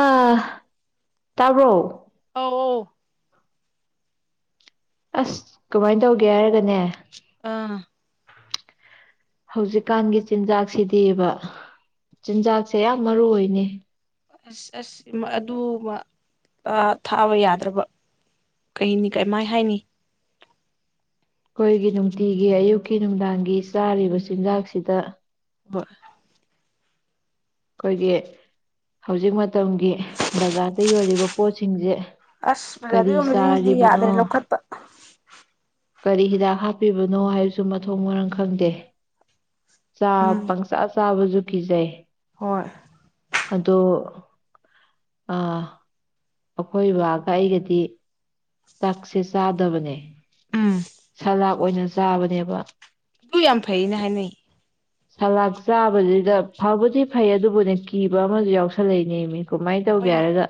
ꯑ ꯇꯥꯕ꯭ꯔꯣ ꯑꯣ ꯑꯁ ꯀꯃꯥꯏꯅ ꯇꯧꯒꯦ ꯍꯥꯏꯔꯒꯅꯦ ꯑꯥ ꯍꯧꯖꯤꯛꯀꯥꯟꯒꯤ ꯆꯤꯟꯖꯥꯛꯁꯤꯗꯤꯕ ꯆꯤꯟꯖꯥꯛꯁꯦ ꯌꯥꯝ ꯃꯔꯨ ꯑꯣꯏꯅꯦ ꯑꯁ ꯑꯁ ꯑꯗꯨꯃ ꯊꯥꯕ ꯌꯥꯗ꯭ꯔꯕ ꯀꯩꯅꯤ ꯀꯥꯏꯝꯃꯥꯏ ꯍꯥꯏꯅꯤ ꯑꯩꯈꯣꯏꯒꯤ ꯅꯨꯡꯇꯤꯒꯤ ꯑꯌꯨꯛꯀꯤ ꯅꯨꯡꯗꯥꯡꯒꯤ ꯆꯥꯔꯤꯕ ꯎꯝ ꯆꯤꯟꯖꯥꯛꯁꯤꯗ ꯍꯣꯏ ꯑꯩꯈꯣꯏꯒꯤ ꯍꯧꯖꯤꯛ ꯃꯇꯝꯒꯤ ꯕꯖꯥꯔꯗ ꯌꯣꯜꯂꯤꯕ ꯄꯣꯠꯁꯤꯡꯁꯦ ꯑꯁ ꯕꯖꯥꯗ ꯀꯔꯤ ꯑꯣꯏꯕꯁꯤꯡꯁꯤꯗꯤ ꯆꯥꯔꯤꯕꯅꯣ ꯌꯥꯗ꯭ꯔꯦ ꯂꯧꯈꯠꯄ ꯀꯔꯤ ꯍꯤꯗꯥꯛ ꯍꯥꯞꯄꯤꯕꯅꯣ ꯍꯥꯏꯕꯁꯨ ꯃꯊꯣꯡ ꯃꯔꯝ ꯈꯪꯗꯦ ꯆ ꯎꯝ ꯄꯪꯁꯥ ꯆꯥꯕꯁꯨ ꯄꯨꯖꯥꯏ ꯍꯣꯏ ꯑꯗꯣ ꯑ ꯑꯩꯈꯣꯏ ꯕꯥꯒ ꯑꯩꯒꯗꯤ ꯆꯥꯛꯁꯦ ꯆꯥꯗꯕꯅꯦ ꯎꯝ ꯁꯂꯥꯞ ꯑꯣꯏꯅ ꯆꯥꯕꯅꯦꯕ ꯑꯗꯨ ꯌꯥꯝ ꯐꯩꯅ ꯍꯥꯏꯅꯩ ꯁꯂꯥꯗ ꯆꯥꯕꯁꯤꯗ ꯐꯕꯨꯗꯤ ꯐꯩ ꯑꯗꯨꯕꯨꯅꯦ ꯀꯤꯕ ꯑꯃꯁꯨ ꯌꯥꯎꯁꯜꯂꯛꯏꯅꯦꯃꯤ ꯀꯃꯥꯏꯅ ꯇꯧꯒꯦ ꯍꯣꯏꯅꯦ ꯍꯥꯏꯔꯒ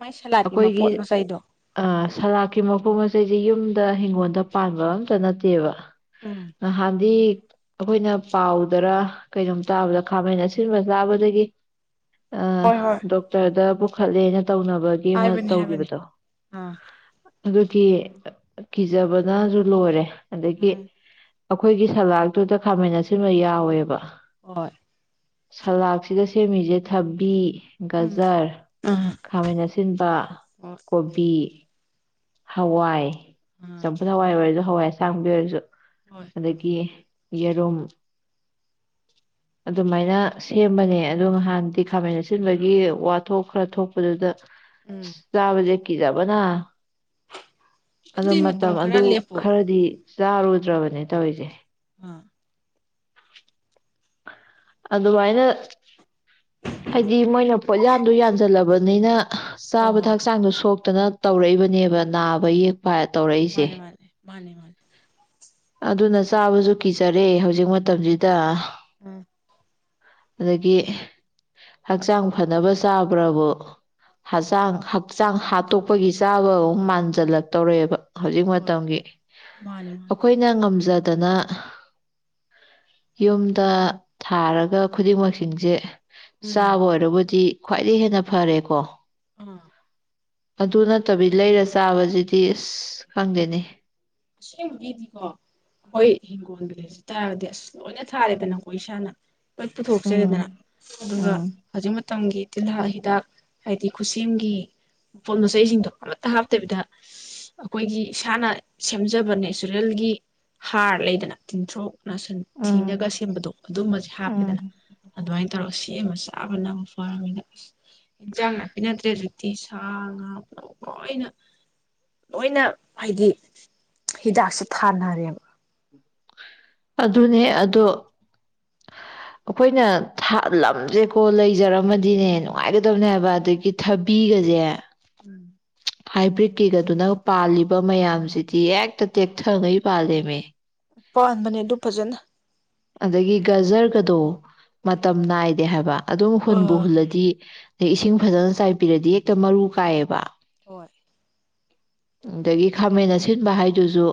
ꯃꯥꯏ ꯁꯂꯥꯠꯀꯤ ꯑꯩꯈꯣꯏꯒꯤ ꯃꯄꯣꯠ ꯃꯆꯩꯗꯣ ꯁꯂꯥꯀꯤ ꯃꯈꯨꯝ ꯑ ꯑꯩꯁꯦ ꯌꯨꯝꯗ ꯍꯤꯡꯒꯣꯜꯗ ꯄꯥꯟꯕ ꯑꯝꯇ ꯅꯠꯇꯦꯕ ꯎꯝ ꯍꯥꯟꯗꯤ ꯑꯩꯈꯣꯏꯅ ꯄꯥꯎꯗꯔ ꯀꯩꯅꯣꯝ ꯇꯥꯕꯗ ꯈꯥꯃꯩꯅ ꯑꯁꯤꯟꯕ ꯆꯥꯕꯗꯒꯤ ꯑ ꯍꯣꯏ ꯍꯣꯏ ꯗꯣꯛꯇꯔꯗ ꯈꯜꯂꯦꯅ ꯇꯧꯅꯕꯒꯤ ꯑꯃ ꯍꯥꯏꯕꯅꯤ ꯍꯥꯏꯕꯅꯤ ꯇꯧꯈꯤꯕꯗꯣ ꯑꯥ ꯑꯗꯨꯒꯤ ꯀꯤꯖꯕꯅꯁꯨ ꯂꯣꯏꯔꯦ ꯑꯗꯒꯤ ꯎꯝ ꯑꯩꯈꯣꯏꯒꯤ ꯁꯂꯥꯇꯨꯗ ꯈꯥꯃꯤꯟꯅꯁꯤ ꯁꯤꯃ ꯌꯥꯎꯋꯦꯕ ꯍꯣꯢ ꯁꯂꯥꯗꯁꯤꯗ ꯁꯦꯝꯃꯤꯁꯦ ꯊꯕꯤ ꯎꯝ ꯒꯖꯔ ꯑꯥ ꯈꯥꯃꯦꯟ ꯑꯁꯤꯟꯕ ꯍꯣꯏ ꯀꯣꯕꯤ ꯍꯋꯥꯏ ꯑꯥ ꯆꯝꯐꯨꯗ ꯍꯋꯥꯏ ꯑꯣꯏꯁꯨ ꯍꯋꯥꯏ ꯁꯥꯡꯕꯤ ꯑꯣꯢꯔꯁꯨ ꯍꯣꯏ ꯑꯗꯒꯤ ꯌꯦꯔꯨꯝ ꯑꯗꯨꯃꯥꯏꯅ ꯁꯦꯝꯕꯅꯦ ꯑꯗꯣ ꯅꯍꯥꯟꯗꯤ ꯈꯥꯃꯦꯟ ꯑꯁꯤꯟꯕꯒꯤ ꯋꯥꯊꯣꯛ ꯈꯔ ꯊꯣꯛꯄꯗꯨꯗ ꯎꯝ ꯆꯥꯕꯖꯦ ꯀꯤꯖꯕꯅ ꯑ ꯑꯗꯨꯗꯤ ꯃꯇꯝ ꯈꯔ ꯑꯗꯨ ꯂꯦꯞꯄꯣ ꯈꯔꯗꯤ ꯆꯥꯔꯨꯗ꯭ꯔꯕꯅꯦ ꯇꯧꯔꯤꯁꯦ ꯑ ꯑꯗꯨꯃꯥꯏꯅ ꯍꯥꯏꯗꯤ ꯃꯣꯏꯅ ꯄꯣꯠꯌꯥꯟꯗꯨ ꯌꯥꯟꯁꯤꯜꯂꯕꯅꯤꯅ ꯍꯣꯏ ꯆꯥꯕꯗ ꯍꯣꯏ ꯍꯛꯆꯥꯡꯗꯣ ꯁꯣꯛꯄ ꯐꯖꯅ ꯇꯧꯔꯛꯏꯕꯅꯦꯕ ꯅꯥꯕ ꯌꯦꯛ ꯄ ꯇꯧꯔꯛꯏꯁꯦ ꯃꯥꯅꯦ ꯃꯥꯅꯦ ꯃꯥꯅꯦ ꯃꯥꯅꯦ ꯑꯗꯨꯅ ꯆꯥꯕꯁꯨ ꯀꯤꯖꯔꯦ ꯍꯧꯖꯤꯛ ꯃꯇꯝꯁꯤꯗ ꯎꯝ ꯑꯗꯒꯤ ꯍꯛꯆꯥꯡ ꯐꯅꯕ ꯆꯥꯕ꯭ꯔꯕꯨ ꯍꯛꯆꯥꯡ ꯍꯛꯆꯥꯡ ꯍꯥꯠꯇꯣꯛꯄꯒꯤ ꯆꯥꯕ ꯃꯥꯟꯖꯜꯂꯛꯇꯧꯔꯛꯦꯕ ꯍꯧꯖꯤꯛ ꯍꯣꯏ ꯃꯇꯝꯒꯤ ꯃꯥꯅꯦ ꯃꯥꯅꯦ ꯑꯩꯈꯣꯏꯅ ꯉꯝꯖ ꯗꯅ ꯌꯨꯝꯗ ꯊꯥꯔꯒ ꯈꯨꯗꯤꯡꯃꯛꯁꯤꯡꯁꯦ ꯎꯝ ꯆꯥꯕ ꯑꯣꯏꯔꯕꯨꯗꯤ ꯈ꯭ꯋꯥꯏꯗꯒꯤ ꯍꯦꯟꯅ ꯐꯔꯦꯀꯣ ꯑꯥ ꯑꯗꯨ ꯅꯠꯇꯕꯤ ꯂꯩꯔ ꯆꯥꯕꯁꯤꯗꯤ ꯑꯁ ꯈꯪꯗꯦꯅꯤ ꯑꯁꯦꯡꯕꯒꯤꯗꯤꯀꯣ ꯑꯩꯈꯣꯏ ꯍꯤꯡꯒꯣꯜꯗ ꯂꯩꯖ ꯇꯥꯔꯗꯤ ꯑꯁ ꯂꯣꯏꯅ ꯊꯥꯔꯦꯗꯅꯀꯣ ꯏꯁꯥꯅ ꯀ ꯄꯨꯊꯣꯛꯆꯔꯦꯗꯅ ꯎꯝ ꯑꯗꯨꯒ ꯎꯝ ꯍꯧꯖꯤꯛ ꯇꯝꯒꯤ ꯇꯤꯜꯍꯥ ꯍꯤꯗꯥꯛ ꯍꯥꯏꯗꯤ ꯈꯨꯠꯁꯦꯝꯒꯤ ꯃꯄꯣꯠ ꯃꯆꯩꯁꯤꯡꯗꯣ ꯑꯃꯠꯇ ꯍꯥꯞꯇꯕꯤꯗ ꯑꯩꯈꯣꯏꯒꯤ ꯏꯁꯥꯅ ꯁꯦꯝꯖꯕ ꯅꯦꯆꯔꯦꯜꯒꯤ ꯍꯥꯔ ꯂꯩꯗꯅ ꯇꯤꯟꯊ꯭ꯔꯣꯛ ꯔꯁꯟ ꯊꯤꯅꯒ ꯎꯝ ꯁꯦꯝꯕꯗꯣ ꯑꯗꯨꯝꯕꯁꯦ ꯍꯥꯞꯄꯦꯗꯅ ꯎꯝ ꯑꯗꯨꯃꯥꯏꯅ ꯇꯧꯔꯒ ꯆꯦ ꯑꯃ ꯆꯥꯕꯅꯕ ꯐꯔꯕꯝꯅꯤꯅ ꯑꯁ ꯏꯟꯖꯥꯡ ꯅꯥꯄꯤ ꯅꯗ꯭ꯔꯦ ꯍꯧꯖꯤꯛꯇꯤ ꯁꯥ ꯉꯥꯅ ꯂꯣꯏꯅ ꯂꯣꯏꯅ ꯍꯥꯏꯗꯤ ꯍꯤꯗꯥꯛꯁꯦ ꯊꯥꯅꯔꯦꯕ ꯑꯗꯨꯅꯦ ꯑꯗꯣ ꯑꯩꯈꯣꯏꯅ ꯊꯥꯂꯝꯁꯦꯀꯣ ꯂꯩꯖꯔꯝꯃꯗꯤꯅꯦ ꯅꯨꯡꯉꯥꯏꯒꯗꯕꯅꯦ ꯍꯥꯏꯕ ꯑꯗꯒꯤ ꯊꯕꯤꯒꯁꯦ ꯎꯝ ꯍꯥꯏꯕ꯭ꯔꯤꯠꯀꯤꯒꯗꯨꯅ ꯄꯥꯜꯂꯤꯕ ꯃꯌꯥꯝꯁꯤꯗꯤ ꯍꯦꯛꯇ ꯇꯦꯛꯊꯉꯩ ꯄꯥꯜꯂꯃꯦ ꯄꯥꯟꯕꯅꯦ ꯑꯗꯨ ꯐꯖꯅ ꯑꯗꯒꯤ ꯒꯖꯔꯒꯗꯣ ꯃꯇꯝ ꯅꯥꯏꯗꯦ ꯍꯥꯏꯕ ꯑꯗꯨꯝ ꯍꯨꯟꯕꯨ ꯑꯥ ꯍꯨꯜꯂꯗꯤ ꯑꯗꯩ ꯏꯁꯤꯡ ꯐꯖꯅ ꯆꯥꯏꯕꯤꯔꯗꯤ ꯍꯦꯛꯇ ꯃꯔꯨ ꯀꯥꯏꯌꯦꯕ ꯍꯣꯏ ꯑꯗꯒꯤ ꯈꯥꯃꯦꯟ ꯑꯁꯤꯟꯕ ꯍꯥꯏꯗꯨꯁꯨ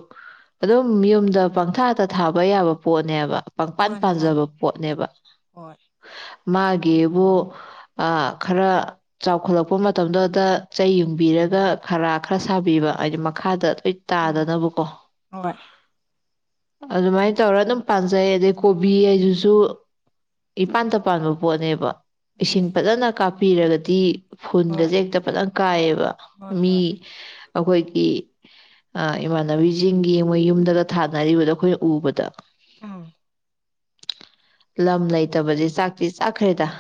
ꯑꯗꯨꯝ ꯌꯨꯝꯗ ꯄꯪꯊꯥꯇ ꯊꯥꯕ ꯌꯥꯕ ꯄꯣꯠꯅꯦꯕ ꯄꯪꯄꯥꯟ ꯃꯥꯅꯤ ꯃꯥꯅꯤ ꯄꯥꯟꯖꯕ ꯄꯣꯠꯅꯦꯕ ꯍꯣꯏ ꯃꯥꯒꯤꯕꯨ ꯈꯔ ꯆꯥꯎꯈꯠꯂꯛꯄ ꯃꯇꯝꯗꯨꯗ ꯆꯩ ꯌꯦꯡꯕꯤꯔꯒ ꯈꯔ ꯈꯔ ꯁꯥꯕꯤꯕ ꯍꯥꯏꯗꯤ ꯃꯈꯥꯗ ꯍꯣꯏ ꯎꯝ ꯇꯥꯗꯅꯕꯀꯣ ꯍꯣꯏ ꯑꯗꯨꯃꯥꯏꯅ ꯇꯧꯔ ꯑꯗꯨꯝ ꯐꯖꯩ ꯑꯗꯩ ꯀꯣꯕꯤ ꯍꯥꯏꯗꯨꯁꯨ ꯏꯄꯥꯟ ꯇ ꯄꯥꯟꯕ ꯄꯣꯠꯅꯦꯕ ꯍꯥꯏꯗꯤ ꯏꯁꯤꯡꯁꯤꯡ ꯄꯇꯥ ꯅ ꯀꯥꯞ ꯄꯤꯔꯒꯗꯤ ꯐꯨꯟꯒꯁꯦ ꯍꯣꯏ ꯍꯦꯛꯇ ꯐꯖꯪ ꯀꯥꯏꯑꯕ ꯍꯣꯏ ꯃꯤ ꯍꯣꯏ ꯑꯩꯈꯣꯏꯒꯤ ꯏꯃꯥꯟꯅꯕꯤꯁꯤꯡꯒꯤ ꯃꯣꯏ ꯌꯨꯝꯗꯒ ꯊꯥꯅꯔꯤꯕꯗꯣ ꯑꯩꯈꯣꯏꯅ ꯎꯕꯗ ꯑꯥ ꯂꯝ ꯂꯩꯇꯕꯗꯤ ꯆꯥꯛꯇꯤ ꯆꯥꯛꯈ꯭ꯔꯦꯗ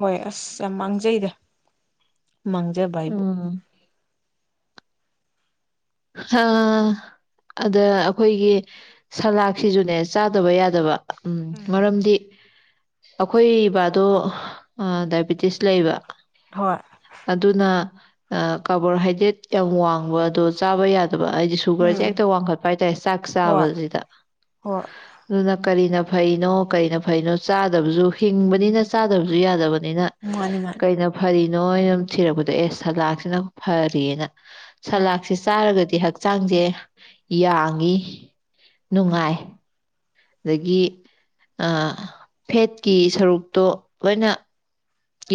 ꯍꯣꯏ ꯑꯁ ꯌꯥꯝ ꯃꯥꯡꯖꯩꯗ ꯃꯥꯡꯖꯕ ꯍꯥꯏꯕꯨ ꯎꯝ ꯑ ꯑꯗ ꯑꯩꯈꯣꯏꯒꯤ ꯁꯂꯥꯗꯁꯤꯁꯨꯅꯦ ꯆꯥꯗꯕ ꯌꯥꯗꯕ ꯎꯝ ꯃꯔꯝꯗꯤ ꯑꯩꯈꯣꯏ ꯏꯕꯥꯗꯣ ꯗꯥꯏꯕꯤꯇꯤꯁ ꯂꯩꯕ ꯍꯣꯏ ꯑꯗꯨꯅ ꯀꯥꯔꯕꯣꯍꯥꯏꯗ꯭ꯔꯦꯠ ꯌꯥꯝ ꯋꯥꯡꯕ ꯑꯗꯣ ꯆꯥꯎꯥꯕ ꯌꯥ ꯑꯗꯨ ꯑꯩꯗꯤ ꯁꯨꯒꯔꯁꯦ ꯎꯝ ꯍꯦꯛꯇ ꯋꯥꯡꯈꯠꯄ ꯍꯥꯏꯇꯥꯔꯦ ꯆꯥꯛ ꯍꯣꯏ ꯆꯥꯕꯁꯤꯗ ꯍꯣꯏ ꯑꯗꯨꯅ ꯀꯔꯤꯅ ꯐꯩꯅꯣ ꯀꯩꯅ ꯐꯩꯅꯣ ꯆꯥꯗꯕꯁꯨ ꯍꯤꯡꯕꯅꯤꯅ ꯆꯥꯗꯕꯁꯨ ꯌꯥꯗꯕꯅꯤ ꯅꯤꯅ ꯃꯥꯅꯤ ꯃꯥꯅꯤ ꯀꯩꯅꯣ ꯐꯔꯤ ꯅꯣꯏ ꯑꯗꯨꯝ ꯊꯤꯔꯛꯄꯗꯣ ꯑꯦ ꯁꯂꯥꯗꯁꯤꯅ ꯐꯔꯅ ꯆꯂ ꯑꯥ ꯆꯥꯔꯒꯗꯤ ꯍꯛꯆꯥꯡꯁꯦ ꯌꯥꯡꯏꯤ ꯅꯨꯡꯉꯥꯏ ꯑꯗꯒꯤ ꯐꯦꯠꯀꯤ ꯁꯔꯨꯛꯇꯣ ꯂꯣꯏꯅ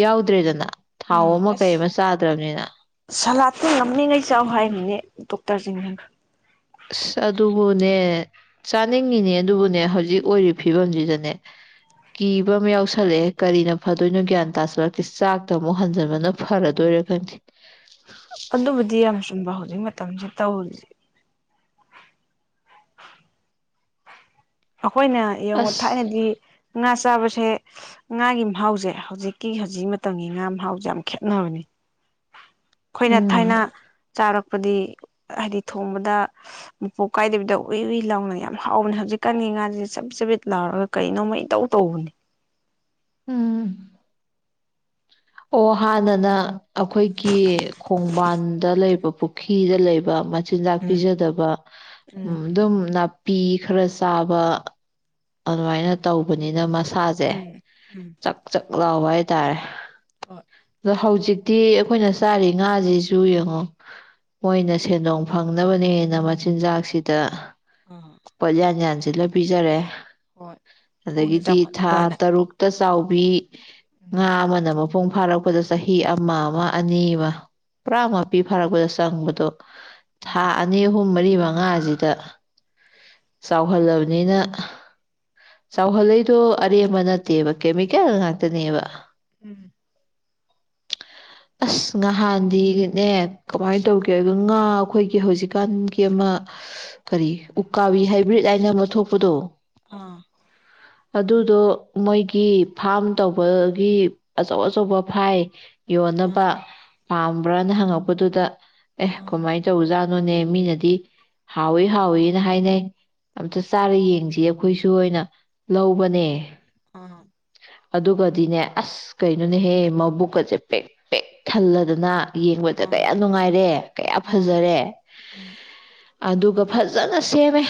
ꯌꯥꯎꯗ꯭ꯔꯦꯗꯅ ꯊꯥꯎ ꯎꯝ ꯑꯃ ꯀꯩ ꯑꯃ ꯆꯥꯗ꯭ꯔꯕꯅꯤꯅ ꯑꯩ ꯉꯝꯅꯤꯉꯩ ꯆꯥꯎ ꯍꯥꯏꯕꯅꯦ ꯗꯣꯛꯇꯔꯁꯤꯡꯅ ꯑꯁ ꯑꯗꯨꯕꯨꯅꯦ ꯆꯥꯅꯤꯡꯉꯤꯅꯦ ꯑꯗꯨꯕꯨꯅꯦ ꯍꯧꯖꯤꯛ ꯑꯣꯏꯔꯤꯕ ꯐꯤꯕꯝꯁꯤꯗꯅꯦ ꯀꯤꯕ ꯑꯃ ꯌꯥꯎꯁꯜꯂꯛꯑꯦ ꯀꯔꯤꯅ ꯐꯗꯣꯏꯅꯣ ꯒ꯭ꯌꯥꯟ ꯇꯥꯥꯁꯜꯂꯛꯇꯦ ꯆꯥꯛꯇ ꯑꯃꯨꯛ ꯍꯟꯖꯤꯟꯕꯅ ꯐꯔꯗꯣꯏꯔꯥ ꯈꯪꯗꯦ ꯑꯗꯨꯕꯨꯗꯤ ꯌꯥꯝ ꯆꯨꯝꯕ ꯍꯧꯖꯤꯛ ꯃꯇꯝꯁꯦ ꯇꯧꯔꯤꯁꯦ ꯑꯩꯈꯣꯏꯅ ꯌꯦꯡꯉ ꯑꯁ ꯊꯥꯏꯅꯗꯤ ꯉꯥ ꯆ ꯆꯥꯕꯁꯦ ꯉꯥꯒꯤ ꯃꯍꯥꯎꯁꯦ ꯍꯧꯖꯤꯛꯀꯤ ꯍꯧꯖꯤꯛ ꯃꯇꯝꯒꯤ ꯉꯥ ꯃꯍꯥꯎꯁꯦ ꯌꯥꯝ ꯈꯦꯠꯅꯕꯅꯤ ꯑꯩꯈꯣꯏꯅ ꯎꯝ ꯊꯥꯏꯅ ꯆꯥꯔꯛꯄ ꯄꯗꯤ ꯍꯥꯏꯗꯤ ꯊꯣꯡꯕꯗ ꯃꯄꯣꯛ ꯀꯥꯏꯗꯕꯤꯗ ꯎꯏ ꯎꯏ ꯂꯥꯎꯅ ꯌꯥꯝ ꯍꯥꯎꯕꯅꯦ ꯍꯧꯖꯤꯛ ꯀꯥꯉ ꯉꯥꯁꯦ ꯆꯠ ꯆꯕꯤꯠ ꯂꯥꯎꯔꯒ ꯀꯩꯅꯣꯃ ꯏꯇꯧ ꯇꯧꯕꯅꯦ ꯎꯝ ꯑꯣ ꯍꯥꯟꯅꯅ ꯑꯩꯈꯣꯏꯒꯤ ꯈꯣꯡꯕꯥꯟꯗ ꯂꯩꯕ ꯄꯨꯈ꯭ꯔꯤꯗ ꯂꯩꯕ ꯆꯤꯟꯖꯥꯛ ꯎꯝ ꯄꯤꯖꯗꯕ ꯎ ꯎꯝ ꯑꯗꯨꯝ ꯄꯤ ꯈꯔ ꯆꯥꯕ ꯑꯗꯨꯃꯥꯏꯅ ꯇꯧꯕꯅꯤꯅꯁ ꯁꯥꯥꯁꯦ ꯎꯝ ꯆꯥꯛ ꯆꯥꯛ ꯂꯥꯎꯕ ꯍꯥꯏ ꯇꯥꯔꯦ ꯑꯣ ꯍꯧꯖꯤꯛꯇꯤ ꯑꯩꯈꯣꯏꯅ ꯆꯥꯔꯤ ꯉꯥꯁꯤꯁꯨ ꯌꯦꯡꯉꯣ ꯃꯣꯏꯅ ꯁꯦꯟꯗꯣꯡ ꯐꯪꯅꯕꯅꯦ ꯍꯦꯟꯅ ꯃꯆꯤꯟꯖꯥꯛꯁꯤꯗ ꯑꯥ ꯄ ꯌꯥꯅꯤꯖꯅꯤꯁꯤ ꯁꯤꯗ ꯄꯤꯖꯔꯦ ꯍꯣꯏ ꯊꯨꯅ ꯑꯗꯒꯤꯗꯤ ꯊꯥ ꯆꯥꯎꯈꯠꯅꯕꯅ ꯇꯔꯨꯛꯇ ꯆꯥꯎꯕꯤ ꯎꯝ ꯉꯥ ꯑꯃꯅ ꯃꯄꯨꯡ ꯐꯥꯔꯛꯄꯗ ꯆꯍꯤ ꯑꯃ ꯑꯃ ꯑꯅꯤ ꯑꯃ ꯄꯨꯔꯥ ꯃꯄꯤ ꯐꯥꯔꯛꯄꯗ ꯆꯪꯕꯗꯣ ꯎꯝ ꯊꯥ ꯑꯅꯤ ꯑꯍꯨꯝ ꯄꯨꯡ ꯃꯔꯤ ꯃꯉꯥꯁꯤꯗ ꯆꯥꯎꯍꯜꯂꯕꯅꯤꯅ ꯆꯥꯎꯍꯜꯂꯩꯗꯣ ꯑꯔꯦꯝꯕ ꯅꯠꯇꯦꯕ ꯀꯦꯃꯤꯀꯦꯜ ꯉꯥꯛꯇꯅꯦꯕ ꯎꯝ ꯑꯁ ꯉꯍꯥꯟꯗꯤꯅꯦ ꯀꯃꯥꯏꯅ ꯇꯧꯒꯦ ꯑꯗꯨꯒ ꯉꯥ ꯑꯩꯈꯣꯏꯒꯤ ꯍꯧꯖꯤꯛꯀꯥꯟꯒꯤ ꯑꯃ ꯀꯔꯤ ꯎꯀꯥꯕꯤ ꯍꯥꯏꯕ꯭ꯔꯤꯠ ꯍꯥꯏꯅ ꯑꯃ ꯊꯣꯛꯄꯗꯣ ꯑꯥ ꯑꯗꯨꯗꯣ ꯃꯣꯏꯒꯤ ꯐꯥꯔꯝ ꯇꯧꯕꯒꯤ ꯑꯆꯧ ꯑꯆꯧꯕ ꯐꯥꯏ ꯑꯥ ꯌꯣꯅꯄꯥ ꯄꯥꯝꯕ꯭ꯔꯅ ꯍꯪꯉꯛꯄꯗꯨꯗ ꯑꯦ ꯑꯥ ꯀꯃꯥꯏꯅ ꯆꯧꯖꯥ ꯃꯤꯅꯗꯤ ꯍꯥꯎꯋꯤ ꯍꯥꯎꯋꯅ ꯍꯥꯏꯅꯩ ꯑꯝꯇ ꯆꯥꯔ ꯌꯦꯡꯁꯤ ꯑꯩꯈꯣꯏꯁꯨ ꯑꯣꯏꯅ ꯂꯧꯕꯅꯦ ꯑꯥ ꯑꯗꯨꯒꯗꯤꯅꯦ ꯑꯁ ꯀꯩꯅꯣꯅꯦꯍꯦ ꯃꯕꯨꯛꯀꯁꯦ ꯄꯦꯛ ꯄꯦꯛ ꯊꯜꯂꯗꯅ ꯌꯦꯡꯕꯗ ꯀꯌꯥ ꯅꯨꯡꯉꯥꯏꯔꯦ ꯀꯌꯥ ꯑꯥ ꯐꯖꯔꯦ ꯑꯗꯨꯒ ꯐꯖꯅ ꯁꯦꯝꯃꯦ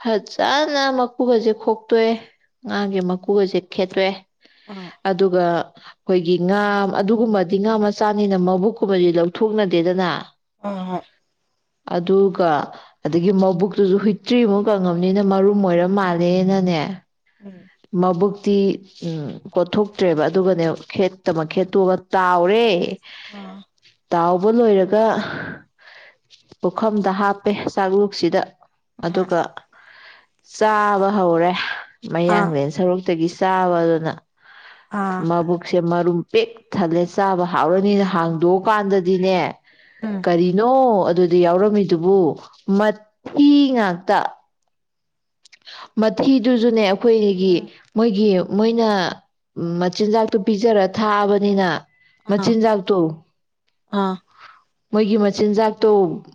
ꯐꯖꯅ ꯃꯀꯨꯒꯁꯦ ꯈꯣꯛꯇꯣꯏꯦ ꯉꯥꯒꯤ ꯃꯀꯨꯒꯁꯦ ꯈꯦꯠꯇꯣꯏꯦ ꯑꯥ ꯑꯗꯨꯒ ꯑꯩꯈꯣꯏꯒꯤ ꯉꯥ ꯑꯗꯨꯒꯨꯝꯕꯗꯤ ꯉꯥ ꯃꯆꯥꯅꯤꯅ ꯃꯕꯨꯛꯀꯨꯝꯕꯗꯤ ꯂꯧꯊꯣꯛꯅꯗꯦꯗꯅ ꯑ ꯍꯣꯏ ꯑꯗꯨꯒ ꯑꯗꯨꯗꯒꯤ ꯃꯕꯨꯛꯇꯨꯁꯨ ꯍꯨꯏꯇ꯭ꯔꯤꯃꯨꯛ ꯀꯪꯉꯕꯅꯤꯅ ꯃꯔꯨꯝ ꯑꯣꯏꯔ ꯃꯥꯜꯂ ꯑꯔꯦꯅ ꯎꯝ ꯑꯥ ꯍꯣꯏ [unintelligible] [inaudible] ꯃꯕꯨ ꯇꯤ ꯎꯝ ꯀꯣꯊꯣꯛꯇ꯭ꯔꯦꯕ ꯑꯗꯨꯒꯅꯦ ꯈꯦꯠꯇꯃ ꯈꯦꯠꯇꯣꯛꯒ ꯇꯥꯎꯔꯦ ꯑꯥ ꯇꯥꯎꯕ ꯂꯣꯏꯔꯒ ꯄꯨꯈꯝꯗ ꯍꯥꯞꯄꯦ ꯆꯥꯛꯂꯨꯛꯁꯤꯗ ꯑꯥ ꯑꯗꯨꯒ ꯆꯥꯕ ꯦ ꯑꯥ ꯑꯥ ꯃꯌꯥꯡꯡꯂꯅ ꯁꯛ ꯇꯒꯤ ꯆꯥꯕ ꯑꯗꯨꯅ ꯑꯥ ꯃꯥꯕꯨꯛꯁꯦ ꯃꯥꯔ ꯄꯦꯛ ꯊꯜꯂꯦ ꯆꯥꯕ ꯍꯥꯎꯔꯅꯤꯅ ꯍꯥꯡꯗꯣꯛꯑꯀꯥꯟꯗꯗꯤꯅꯦ ꯎꯝ ꯀꯔꯤꯅꯣ ꯑꯗꯨꯗꯤ ꯌꯥꯎꯔꯝꯃꯤꯗꯨꯕꯨ ꯃꯤ ꯉꯥꯛꯇ ꯃꯊꯤꯗꯨꯁꯨꯅꯦ ꯑꯩꯈꯣꯏꯒꯤ ꯎꯝ ꯃꯣꯏꯒꯤ ꯃꯣꯏꯅ ꯃꯆꯤꯟꯖꯥꯛꯇꯣ ꯄꯤꯖꯔ ꯊꯥꯛꯑꯕꯅꯤꯅ ꯑꯥ ꯃꯆꯤꯟ ꯆꯒ ꯇꯣ ꯑꯥ ꯃꯣꯏꯒꯤ ꯃꯆꯤꯟꯖꯥꯛꯇꯣ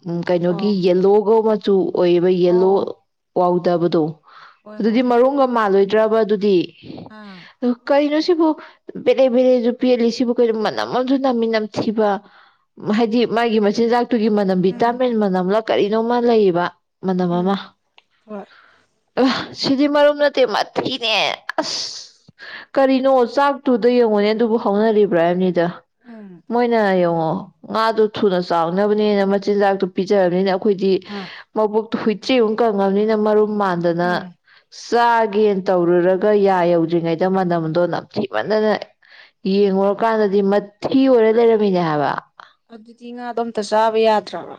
ꯎꯝ ꯀꯩꯅꯣꯒꯤ ꯑꯣ ꯌꯦꯂꯣꯒ ꯆꯨ ꯑꯣꯏꯔꯤꯕ ꯑꯣ ꯌꯦꯂꯣ ꯑꯣ ꯍ ꯗꯕꯗꯨꯣ ꯍꯣꯏ ꯑꯗꯨꯗꯤ ꯍꯣꯏ ꯃꯔꯨꯝꯒ ꯃꯥꯜꯂꯣꯏ ꯗ꯭ꯔꯕ ꯑꯗꯨꯗꯤ ꯑꯥ ꯀꯩꯅ ꯁꯤꯕꯨ ꯕꯦꯔꯦ ꯕꯦꯔꯦꯁꯨ ꯄꯦꯜꯂꯤ ꯁꯤꯕꯨ ꯀꯣ ꯃꯅꯝ ꯑꯃꯁꯨ ꯅꯝꯃꯤ ꯅꯝꯊꯤꯕ ꯍꯥꯏꯗꯤ ꯃꯥꯒꯤ ꯃꯆꯤꯟꯖꯥꯛꯇꯨꯒꯤ ꯃꯅꯝ ꯎꯝ ꯚꯤꯇꯥꯃꯤꯟ ꯃꯅꯝꯂ ꯀꯔꯤꯅꯣꯃ ꯂꯩꯌꯦꯕ ꯃꯅꯃꯃ ꯎꯝ ꯍꯣꯏ ꯁꯤꯗꯤ ꯃꯔꯨꯝ ꯅꯠꯇꯦ ꯃꯊꯤꯅꯦ ꯑꯁ ꯀꯔꯤꯅꯣ ꯆꯥꯛꯇꯨꯗ ꯌꯦꯡꯉꯣꯅꯦ ꯑꯗꯨꯕꯨ ꯍꯧꯅꯔꯤꯕ꯭ꯔꯥ ꯍꯥꯏꯕꯅꯤ ꯗ ꯎꯝ ꯃꯣꯏꯅ ꯌꯦꯡꯉꯣ ꯉꯥꯗꯨꯣ ꯊꯨꯅ ꯆꯥꯎꯅꯕꯅꯦꯅ ꯃꯆꯤꯟꯖꯥꯛꯇꯣ ꯄꯤꯖꯔꯕꯅꯤꯅ ꯑꯩꯈꯣꯏꯗꯤ ꯑꯥ ꯃꯕꯨꯣꯛꯇ ꯍꯨꯏ ꯆ ꯎ ꯀꯪꯉꯝꯅꯤ ꯃꯔꯔꯣ ꯃꯥꯟꯗꯅ ꯎꯝ ꯆꯥꯒꯦ ꯇꯧꯔꯨꯔꯒ ꯌꯥ ꯌꯧꯗ꯭ꯔꯤꯉꯩꯗ ꯃꯅꯝꯗꯣ ꯅꯝꯊꯤ ꯃꯅꯅ ꯌꯦꯡꯉꯨꯔꯀꯥꯟꯗꯗꯤ ꯃꯊꯤ ꯑꯣꯏꯔ ꯂꯩꯔꯝꯃꯤꯅꯦ ꯍꯥꯏꯕ ꯑꯗꯨꯗꯤ ꯉꯥꯗꯣ ꯑꯝꯇ ꯆꯥꯕ ꯌꯥꯗ꯭ꯔꯕ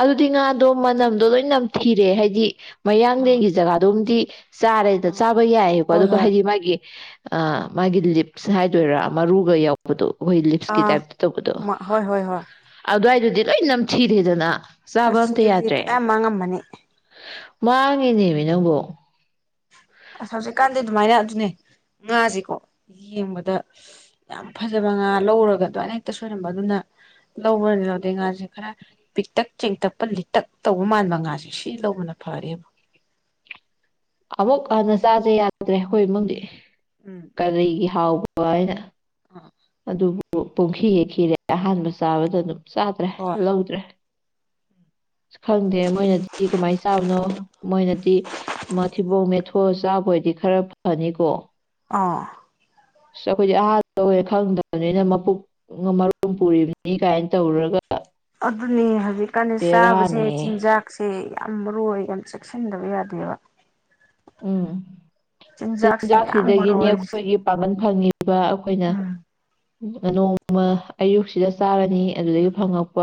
ꯑꯗꯨꯗꯤ ꯉꯥꯗꯣ ꯃꯅꯝꯗꯣ ꯂꯣꯏ ꯅꯝꯊꯤꯔꯦ ꯍꯥꯏꯗꯤ ꯑꯥ ꯃꯌꯥꯡꯂꯦꯟꯒꯤ ꯖꯒꯥꯗꯣꯝꯗꯤ ꯆꯥꯔꯦꯗ ꯑꯥ ꯆꯥꯕ ꯌꯥꯏꯌꯦꯀꯣ ꯍꯣꯏ ꯑꯗꯨꯒ ꯍꯣꯏ ꯍꯥꯏꯗꯤ ꯃꯥꯒꯤ ꯑ ꯃꯥꯒꯤ ꯂꯤꯞꯁ ꯍꯥꯏꯗꯣꯏꯔꯥ ꯃꯔꯨꯒ ꯌꯥꯎꯕꯗꯣ ꯑꯩꯈꯣꯏ ꯂꯤꯞꯁꯀꯤ ꯑꯥ ꯇꯥꯏꯞꯇ ꯇꯧꯕꯗꯣ ꯍꯣꯏ ꯍꯣꯏ ꯍꯣꯏ ꯑꯗꯨꯋꯥꯏꯗꯨꯗꯤ ꯑꯩ ꯅ ꯁꯤꯤꯔꯤꯦꯗꯅ ꯑꯁ ꯑꯗꯨꯗꯤ ꯐꯖꯌꯥꯝ ꯃꯥꯡꯉꯝꯝꯕꯅꯤ ꯃꯥꯡꯉꯦꯅꯦꯃꯤ ꯅꯪꯕꯨ ꯑꯁ ꯍꯧꯖꯤꯛꯀꯥꯟꯗꯤ ꯑꯗꯨꯃꯥꯏꯅ ꯑꯗꯨꯅꯦ ꯉꯥꯁꯦꯀꯣ ꯌꯦꯡꯕꯗ ꯌꯥꯝ ꯐꯖꯕ ꯉꯥ ꯂꯧꯔꯒ ꯑꯗꯨꯃꯏꯅ ꯍꯦꯛꯇ ꯁꯣꯏꯔꯝꯕ ꯑꯗꯨꯅ ꯂꯧꯕꯅꯤ ꯂꯧꯗꯦ ꯉꯥꯁꯦ ꯈꯔ ꯄꯤꯛꯇꯛ ꯆꯦꯡꯇꯛꯄ ꯂꯤꯛꯇꯛ ꯇꯧꯕ ꯃꯥꯟꯕ ꯉꯥꯁꯦ ꯁꯤ ꯂꯧꯕꯅ ꯐꯔꯦꯕ ꯑꯃꯨꯛ ꯍꯟꯅ ꯆꯁꯦ ꯌꯥꯗ꯭ꯔꯦ ꯍꯣꯏ ꯏꯃꯪꯗꯤ ꯎꯝ ꯀꯔꯦ ꯍꯥꯎ ꯀꯏꯅ ꯑꯥ ꯑꯗꯨ ꯄꯨꯡꯈꯤ ꯌꯦꯦꯛꯈꯤꯔꯦ ꯑꯍꯥꯟꯕ ꯆꯥꯕꯗ ꯑꯗꯨꯝ ꯆꯇ꯭ꯔꯦ ꯍꯣꯏ ꯂꯧꯧꯗ꯭ꯔꯦ ꯈꯪꯗꯦ ꯃꯣꯏꯅꯗꯤ ꯀꯃꯥꯏꯅ ꯆꯥꯕꯅꯣ ꯃꯣꯏꯅꯗꯤ ꯃꯊꯤꯕꯣꯡ ꯃꯦ ꯍꯣ ꯆꯥꯕꯣꯏꯗꯤ ꯈꯔ ꯐꯅꯤꯀꯣ ꯑꯥ ꯑꯁ ꯑꯩꯈꯣꯏꯗꯤ ꯑꯍꯥꯟꯕ ꯑꯣꯏ ꯈꯪꯗꯕꯅꯤꯅ ꯃꯄꯣꯛ ꯃꯔꯣꯟ ꯄꯨꯔꯤꯕꯅꯤ ꯀꯥꯏꯅ ꯇꯧꯔꯒ ꯑꯗꯨꯅꯤ ꯍꯧꯖꯤꯛꯀꯥꯟꯗꯤ ꯆꯥꯕꯁꯦ ꯕꯦꯔꯥꯅꯤꯍꯦ ꯆꯤꯟꯖꯥꯛꯁꯦ ꯌꯥꯝ ꯃꯔꯨ ꯑꯣꯏ ꯌꯥꯝ ꯆꯦꯛꯁꯤꯟꯗꯕ ꯌꯥꯗꯦꯕ ꯎꯝ ꯆꯤꯟꯖꯥꯛꯁꯤꯅ ꯌꯥꯝ ꯃꯔꯨ ꯆꯤꯟꯖꯥꯛꯁꯤꯗꯒꯤꯅꯤ ꯑꯣꯏꯔꯤꯁꯦ ꯑꯩꯈꯣꯏꯒꯤ ꯄꯥꯒꯜ ꯍꯥꯏ ꯑꯩꯈꯣꯏꯅ ꯎꯝ ꯅꯣꯡꯃ ꯑꯌꯨꯛꯁꯤꯗ ꯆꯥꯔꯅꯤ ꯑꯗꯨꯗꯒꯤ ꯐꯪꯉꯛꯄ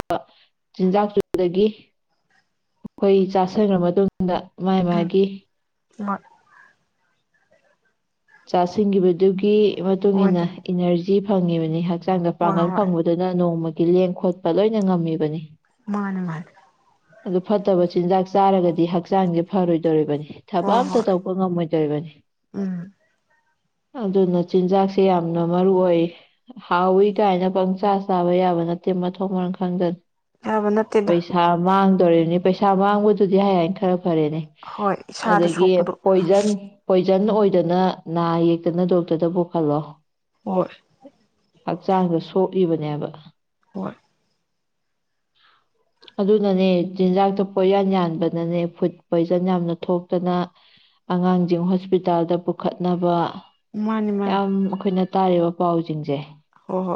ꯆꯤꯟꯖꯥꯛꯇꯨꯗꯒꯤ ꯑꯩꯈꯣꯏ ꯆꯥꯥꯁꯟꯈ꯭ꯔ ꯃꯇꯨꯡ ꯃꯥꯥꯏ ꯃꯥꯒꯤ ꯃ ꯆꯥꯁꯤꯟꯈꯤꯕꯗꯨꯒꯤ ꯃꯇꯨꯡ ꯍꯣꯏ ꯏꯟꯅ ꯑꯗꯨꯅꯤ ꯏꯅꯔꯖꯤ ꯐꯪꯉꯤꯕꯅꯤ ꯍꯥꯏ ꯍꯛꯆꯥꯡꯗ ꯍꯣꯏ ꯄꯥꯡꯒꯜ ꯍꯣꯏ ꯐꯪꯕꯗꯨꯅ ꯅꯣꯡꯃꯒꯤ ꯒꯤ ꯂꯦꯡ ꯈꯣꯠꯄ ꯂꯣꯏꯅ ꯉꯝꯃꯤꯕꯅꯤ ꯃꯥꯅ ꯃꯥꯜ ꯑꯗꯨ ꯐꯠꯇꯕ ꯆꯤꯟꯖꯥꯛ ꯆꯥꯔꯒꯗꯤ ꯍꯛꯆꯥꯡꯁꯦ ꯐꯔꯣꯏꯗꯣꯔꯤꯕꯅꯤ ꯊꯕꯛ ꯍꯣꯏ ꯑꯝꯇ ꯍꯣꯏ ꯇꯧꯕ ꯉꯝꯃꯣꯏꯗꯣꯣꯏꯔꯤꯕꯅꯤ ꯎꯝ ꯑꯗꯨꯅ ꯆꯤꯟꯖꯥꯛꯁꯦ ꯌꯥꯝꯅ ꯃꯔꯨ ꯑꯣꯏ ꯍꯥꯎꯋꯤ ꯀꯥꯏꯅ ꯄꯪꯆꯥ ꯆꯥꯕ ꯌꯥꯕ ꯅꯠꯇꯦ ꯃꯊꯣꯡ ꯃꯔꯥꯡ ꯈꯪꯗꯅ ꯌꯥꯕ ꯅꯠꯇꯗ ꯄꯩꯁꯥ ꯃꯥꯡꯗꯣꯔꯤꯕꯅꯤ ꯄꯩꯁꯥ ꯃꯥꯡꯕꯗꯨꯗꯤ ꯍꯥꯏꯌꯦ ꯈꯔ ꯐꯔꯦꯅꯦ ꯍꯣꯏ ꯏꯁꯥꯗ ꯑꯗꯒꯤ ꯁꯣꯛꯄꯗꯣ ꯄꯣꯏꯖꯟꯣꯏ ꯐꯖꯟ ꯑꯣꯏꯗꯅ ꯅꯥ ꯌꯦꯛꯇꯅ ꯗꯣꯛꯇꯔꯗ ꯄꯨꯈꯠꯂꯣ ꯍꯣꯏ ꯍꯛꯆꯥꯡꯗ ꯁꯣꯛ ꯏꯕꯅꯦꯕ ꯍꯣꯏ [unintelligible] ꯑꯗꯨꯅꯅꯦ ꯆꯤꯟꯖꯥꯛꯇ ꯄꯣꯏꯌꯥꯟ ꯌꯥꯟꯕꯅꯅꯦ ꯐꯨꯗ ꯄꯣꯏꯖꯟ ꯌꯥꯝꯅ ꯊꯣꯛꯇꯅ ꯑꯉꯥꯡꯁꯤꯡ ꯍꯣꯁꯄꯤꯇꯥꯜꯗ ꯄꯨꯈꯠꯅꯕ ꯃꯥꯅꯤ ꯃꯥꯅꯤ ꯌꯥꯝ ꯑꯩꯈꯣꯏꯅ ꯇꯥꯔꯤꯕ ꯄꯥꯎꯁꯤꯡꯁꯦ ꯑꯣ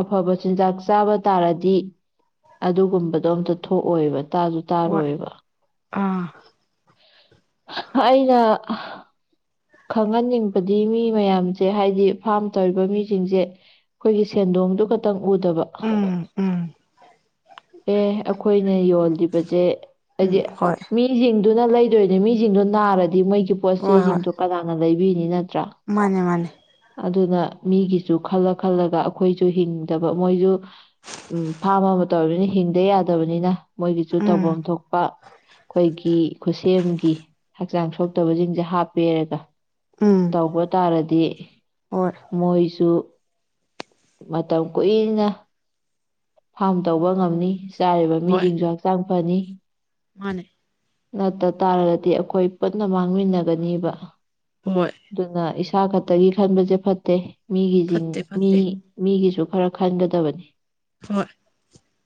ꯑꯐꯕ ꯆꯤꯟꯖꯥꯛ ꯆꯥꯕ ꯇꯥꯔꯗꯤ ꯑꯗꯨꯒꯨꯝꯕꯗꯣ ꯑꯝꯇ ꯊꯣꯛꯑꯣꯏꯕ ꯇꯥꯁꯨ ꯍꯣꯏ ꯇꯥꯔꯣꯏꯕ ꯑꯥ ꯑꯩꯅ ꯈꯪꯍꯟꯅꯤꯡꯕꯗꯤ ꯃꯤ ꯃꯌꯥꯝꯁꯦ ꯍꯥꯏꯗꯤ ꯐꯥꯔꯝ ꯇꯧꯔꯤꯕ ꯃꯤꯁꯤꯡꯁꯦ ꯑꯩꯈꯣꯏꯒꯤ ꯁꯦꯟꯗꯣꯡꯗꯨ ꯈꯛꯇꯪ ꯎꯗꯕ ꯎꯝ ꯎꯝ ꯑꯦ ꯑꯩꯈꯣꯏꯅ ꯌꯣꯜꯂꯤꯕꯁꯦ ꯍꯥꯢꯗꯤ ꯎꯝ ꯍꯣꯏ ꯃꯤꯁꯤꯡꯁꯦ ꯑꯗꯨꯅ ꯂꯩꯗꯣꯏꯅꯦ ꯃꯤꯁꯤꯡꯗꯣ ꯅꯥꯔꯗꯤ ꯃꯩ ꯄꯣꯠ ꯆꯩ ꯍꯣꯏ ꯍꯣꯏ ꯆꯩꯁꯤꯡꯁꯤꯡꯊꯣꯛ ꯀꯗꯥꯗ ꯂꯩꯕꯤꯅꯤꯅ ꯃꯥꯅꯦ ꯃꯥꯅꯦ ꯑꯗꯨꯅ ꯃꯤꯒꯤꯁꯨ ꯈꯜꯂ ꯈꯜꯂꯒ ꯑꯩꯈꯣꯏꯁꯨ ꯍꯤꯡꯗꯕ ꯃꯣꯏꯁꯨ ꯎꯝ ꯐꯥꯝ ꯑꯃ ꯇꯧꯅꯤꯅ ꯍꯤꯡꯗ ꯌꯥꯗꯕꯅꯤꯅ ꯃꯣꯏꯒꯤꯁꯨ ꯎꯝ ꯇꯧꯐꯝ ꯊꯣꯛꯄ ꯑꯩꯈꯣꯏꯒꯤ ꯈꯨꯠꯁꯦꯝ ꯒꯤ ꯍꯛꯆꯥꯡ ꯁꯣꯛꯇꯕꯁꯤꯡꯁꯦ ꯍꯥꯞꯄꯦꯔꯒ ꯎꯝ ꯇꯧꯕ ꯇꯥꯔꯗꯤ ꯍꯣꯏ ꯃꯣꯏꯁꯨ ꯃꯇꯝ ꯀꯨꯏꯅ ꯐꯥꯝ ꯇꯧꯕ ꯉꯝꯅꯤ ꯆꯥꯔꯤꯕ ꯍꯣꯏ ꯃꯤꯁꯤꯡꯁꯨ ꯍꯛꯆꯥꯡ ꯄꯥꯖꯤ ꯃꯥꯅꯦ ꯅꯠꯇ ꯇꯥꯔꯒꯗꯤ ꯑꯩꯈꯣꯏ ꯄꯨꯟꯅ ꯃꯥꯡꯃꯤꯟꯅꯒꯅꯤꯕ ꯍꯣꯏ ꯑꯗꯨꯅ ꯆ ꯈ ꯇ ꯈꯟꯕꯖꯦ ꯐꯠꯇꯦ ꯃꯤꯒꯤ ꯐꯠꯇꯦ ꯃꯤ ꯐꯠꯇꯦ ꯃꯤꯒꯤꯁꯨ ꯈꯔ ꯈꯟꯒꯗꯕꯅꯤ ꯍꯣꯏ